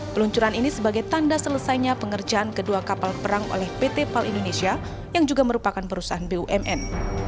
peluncuran ini sebagai tanda selesainya pengerjaan kedua kapal perang oleh pt pal indonesia yang juga merupakan perusahaan bumn